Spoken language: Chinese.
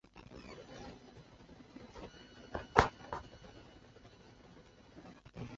弗雷斯努瓦莱沙托人口变化图示